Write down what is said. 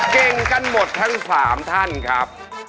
เก่งกันหมดทั้ง๓ท่านครับ